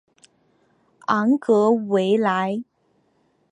昂格维莱。